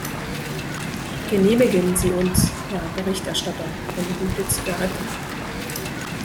Genehmigen Sie uns, Herr Berichterstatter, eine gute Zigarette.